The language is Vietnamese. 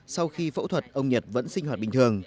sau khi phẫu thuật ông nhật vẫn sinh hoạt bình thường